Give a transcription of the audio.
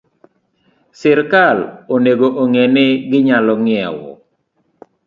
Sirkal onego ong'e ni ginyalo ng'iewo